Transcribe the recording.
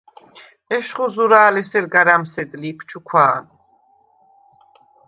ეშხუ ზურა̄ლ ესერ გარ ა̈მსედლი იფ ჩუქვა̄ნ.